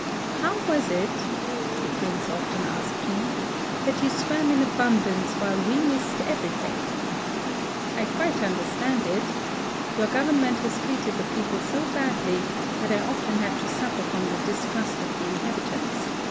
"How was it," the Prince often asked 44 HISTORY OF me, "that you swam in abundance, while we missed everything V "I quite under stand it. Your Government has treated the people so badly that I often have to suflfer from the distrust of the inhabitants.